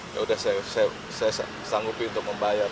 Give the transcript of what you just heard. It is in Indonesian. yaudah saya sanggup itu membayar